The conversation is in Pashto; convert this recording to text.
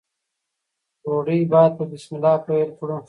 ډوډۍ باید په بسم الله پیل کړو.